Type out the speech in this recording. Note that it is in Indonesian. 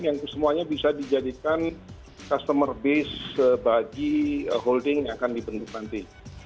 yang semuanya bisa dijadikan customer base bagi holding yang akan dibentuk nanti